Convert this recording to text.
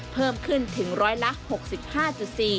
เพิ่มขึ้นถึง๑๖๕๔ล้านบาท